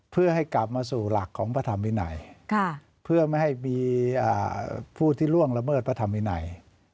เพื่อให้กลับมาสู่หลักของพระธรรมวินัยเพื่อไม่ให้มีผู้ที่ล่วงละเมิดพระธรรมวินัย